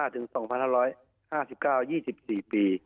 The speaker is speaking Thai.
๒๑๓๕ถึง๒๕๕๙ยี่สิบสี่ปี